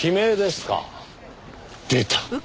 出た。